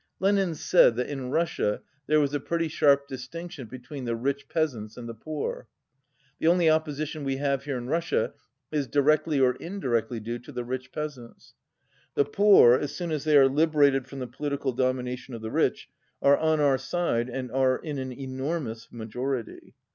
Lenin said that in Russia there was a pretty sharp distinction between the rich peasants and the poor. "The only opposition we have here in Rus sia is directly or indirectly due to the rich peasants. The poor, as soon as they are liberated from the political domination of the rich, are on our side and are in an enormous majority."